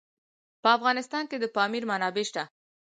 په افغانستان کې د پامیر منابع شته.